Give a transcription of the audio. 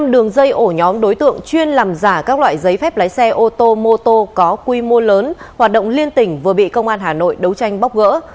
năm đường dây ổ nhóm đối tượng chuyên làm giả các loại giấy phép lái xe ô tô mô tô có quy mô lớn hoạt động liên tỉnh vừa bị công an hà nội đấu tranh bóc gỡ